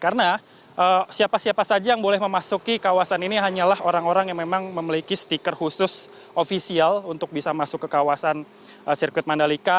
karena siapa siapa saja yang boleh memasuki kawasan ini hanyalah orang orang yang memang memiliki stiker khusus ofisial untuk bisa masuk ke kawasan sirkuit mandalika